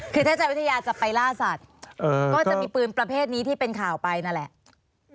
คือถ้าใจวิทยาจะไปล่าสัตว์ก็จะมีปืนประเภทนี้ที่เป็นข่าวไปนั่นแหละ